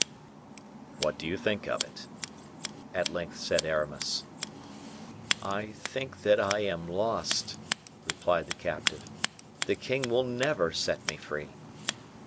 "What do you think of it?" at length said Aramis. "I think that I am lost," replied the captive; "the king will never set me free."